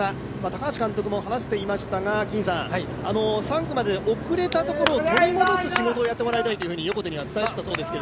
高橋監督も話していましたが、３区まで遅れたところを取り戻す仕事をやってもらいたいと横手に伝えたそうですが。